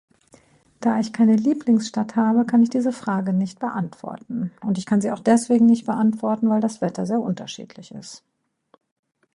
Da ich keine Lieblingsstadt habe, kann ich diese Frage nicht beantworten. Und ich kann Sie auch deswegen nicht beantworten, weil das Wetter so unterschiedlich ist.